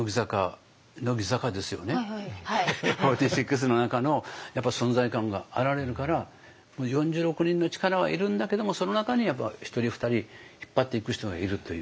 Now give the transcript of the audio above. ４６の中のやっぱ存在感があられるから４６人の力はいるんだけどもその中にやっぱ１人２人引っ張っていく人がいるという。